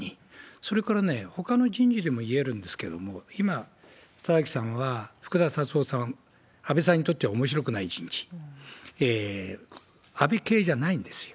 それからね、ほかの人事でもいえるんですけども、今、田崎さんは福田達夫さん、安倍さんにとってはおもしろくない人事、安倍系じゃないんですよ。